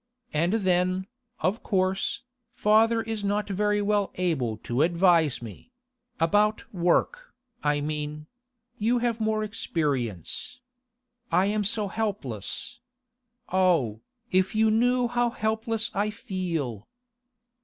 And then, of course, father is not very well able to advise me—about work, I mean. You have more experience. I am so helpless. Oh, if you knew how helpless I feel!